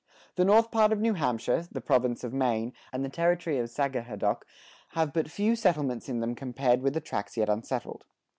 The North part of New Hampshire, the province of Maine, and the territory of Sagadahock have but few settlements in them compared with the tracts yet unsettled.